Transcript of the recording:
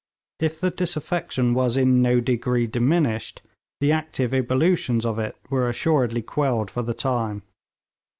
If the disaffection was in no degree diminished, the active ebullitions of it were assuredly quelled for the time.